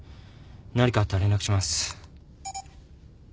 何かあったら連絡します。